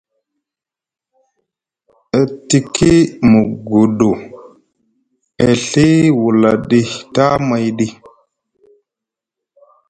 E tiki muguɗu, e Ɵi wulaɗi tamayɗi.